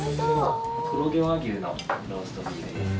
黒毛和牛のローストビーフです。